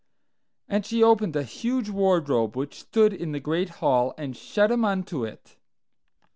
And she opened a huge wardrobe which stood in the great hall, and shut him unto it.